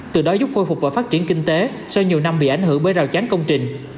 từ đó giúp khôi phục và phát triển kinh tế sau nhiều năm bị ảnh hưởng bởi rào chắn công trình